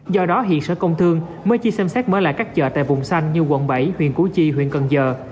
do đó hiện sở công thương mới chỉ xem xét mở lại các chợ tại vùng xanh như quận bảy huyện củ chi huyện cần giờ